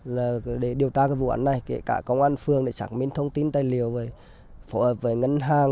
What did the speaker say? điều đó là để điều tra vụ án này kể cả công an phương để sản minh thông tin tài liệu phù hợp với ngân hàng